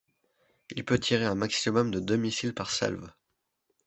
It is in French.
Il peut tirer un maximum de deux missiles par salve.